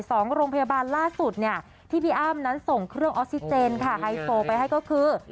โรงพยาบาลล่าสุดเนี่ยที่พี่อ้ำนั้นส่งเครื่องออกซิเจนค่ะไฮโซไปให้ก็คือ